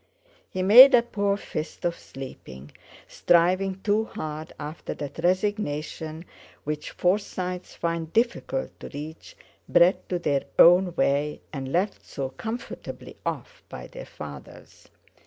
He made a poor fist of sleeping, striving too hard after that resignation which Forsytes find difficult to reach, bred to their own way and left so comfortably off by their fathers.